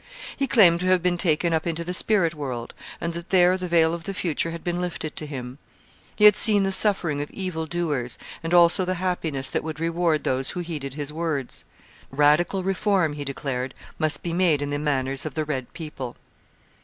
He claimed to have been taken up into the spirit world, and that there the veil of the future had been lifted to him. He had seen the suffering of evil doers and also the happiness that would reward those who heeded his words. Radical reform, he declared, must be made in the manners of the red people.